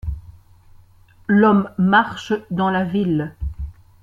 L'Homme marche dans la ville.